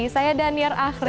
saya danier ahri